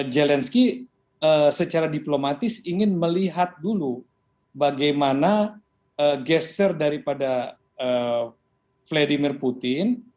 zelensky secara diplomatis ingin melihat dulu bagaimana gesture daripada vladimir putin